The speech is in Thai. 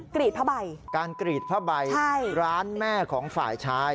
กรีดผ้าใบการกรีดผ้าใบร้านแม่ของฝ่ายชาย